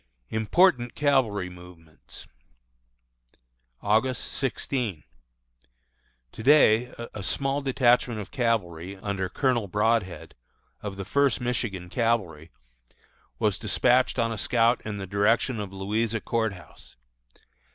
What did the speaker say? IMPORTANT CAVALRY MOVEMENTS. August 16. To day a small detachment of cavalry under Colonel Broadhead, of the First Michigan Cavalry, was despatched on a scout in the direction of Louisa Court House.